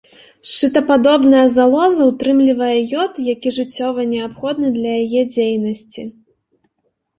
Шчытападобная залоза ўтрымлівае ёд, які жыццёва неабходны для яе дзейнасці.